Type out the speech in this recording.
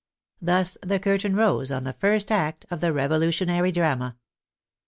Thus the curtain rose on the first act of the revolutionary drama.